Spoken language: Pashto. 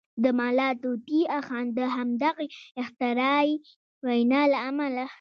د ملا طوطي اخند د همدغې اختراعي وینا له امله.